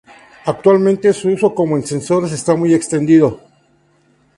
Actualmente, su uso como en sensores está muy extendido.